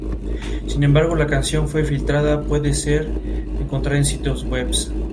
Sin embargo la canción fue filtrada y puede ser encontrada en sitios web.